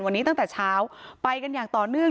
วันนี้ตั้งแต่เช้าไปกันอย่างต่อเนื่อง